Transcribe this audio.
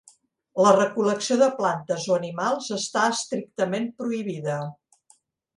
La recol·lecció de plantes o animals està estrictament prohibida.